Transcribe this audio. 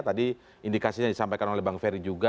tadi indikasinya disampaikan oleh bang ferry juga